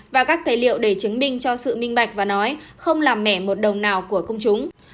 và các tài liệu để chứng minh cho sự minh bạch và nói không làm mẻ một đồng nào của công chúng